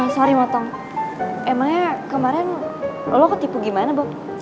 sorry matang emangnya kemarin lo ketipu gimana bob